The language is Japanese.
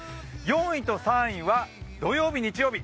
４位と３位は、土曜日、日曜日。